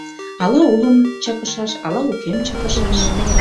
Ала улым чакышаш, ала укем чакышаш?